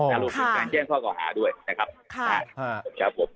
การรู้สึกการแจ้งข้อก่อหาด้วยนะครับค่ะครับผม